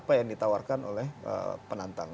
apa yang ditawarkan oleh penantang